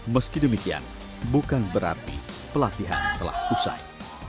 meski demikian bukan berarti pelatihan telah usai